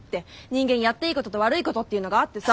人間やっていいことと悪いことっていうのがあってさ。